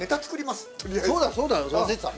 そうだそうだよ忘れてた。